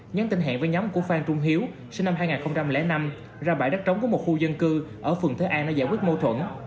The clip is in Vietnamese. nhắn tin hẹn với nhóm của phan trung hiếu sinh năm hai nghìn năm ra bãi đất trống của một khu dân cư ở phường thế an để giải quyết mâu thuẫn